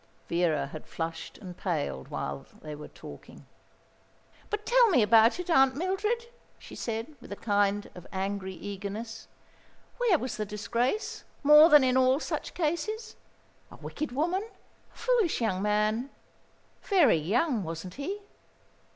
Vera had flushed and paled while they were talking. "But tell me about it, Aunt Mildred," she said, with a kind of angry eagerness. "Where was the disgrace, more than in all such cases? A wicked woman, a foolish young man very young, wasn't he?"